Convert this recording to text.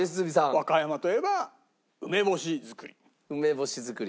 和歌山といえば梅干し作り。